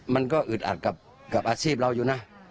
มันก็อึดอัดกับอาชีพเราอยู่นะ